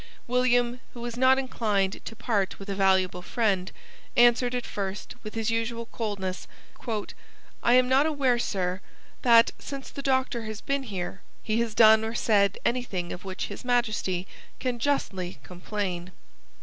William, who was not inclined to part with a valuable friend, answered at first with his usual coldness; "I am not aware, sir, that, since the Doctor has been here, he has done or said anything of which His Majesty can justly complain."